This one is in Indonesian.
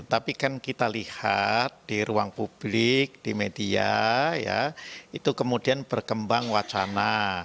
tapi kan kita lihat di ruang publik di media itu kemudian berkembang wacana